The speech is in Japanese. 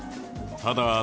ただ。